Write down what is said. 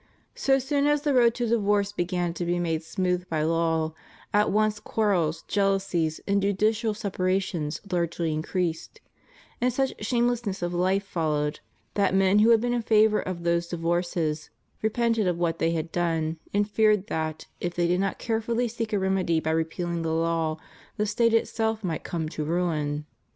So soon as the road to divorce began to be made smooth by law, at once quarrels, jealousies, and judicial separations largely increased; and such shamelessness of life fol lowed, that men who had been in favor of these divorces repented of what they had done, and feared that, if they did not carefully seek a remedy by repeahng the law, the State itself might come to ruin.